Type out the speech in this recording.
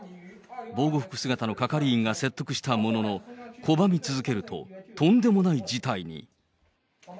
防護服姿の係員が説得したものの、拒み続けると、とんでもない事態に。